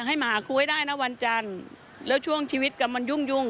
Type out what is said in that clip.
ให้มาคุยให้ได้นะวันจาน